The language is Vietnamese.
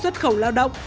xuất khẩu lao động